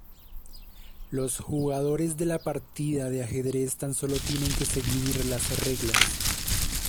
Los jugadores de la partida de ajedrez tan solo tienen que seguir las reglas.